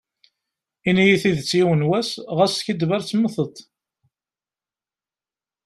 Ini-yi tidet yiwen was, ɣas skiddib ar temteḍ.